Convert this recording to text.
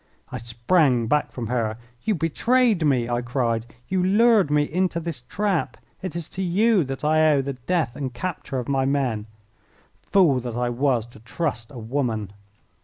I sprang back from her. "You betrayed me!" I cried. "You lured me into this trap. It is to you that I owe the death and capture of my men. Fool that I was to trust a woman!"